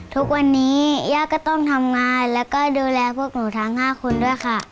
ทุกวันนี้ย่าก็ต้องทำงานแล้วก็ดูแลพวกหนูทั้ง๕คนด้วยค่ะ